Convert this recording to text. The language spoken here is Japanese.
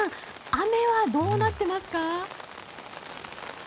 雨はどうなっていますか？